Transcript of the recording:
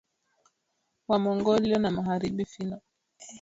Wamongolia na magharibi Finno Ugric mababu wa Wafini